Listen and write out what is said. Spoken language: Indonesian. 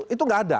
itu gak ada